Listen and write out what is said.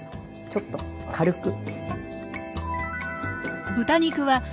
ちょっと軽く。